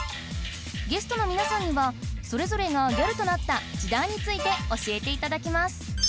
ゲストの皆さんにはそれぞれがギャルとなった時代について教えていただきます